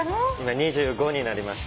２５になりました。